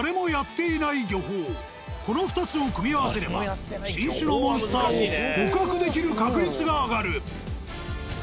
この２つを組み合わせれば新種のモンスターを捕獲できる確率が上がる。